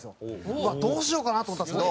うわっどうしようかな？と思ったんですけど。